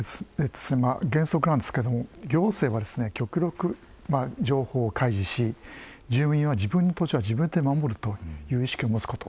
原則なんですけども行政は極力情報を開示し住民は自分の土地は自分で守るという意識を持つこと。